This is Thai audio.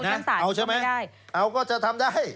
เอาใช่ไหมเอาก็จะทำได้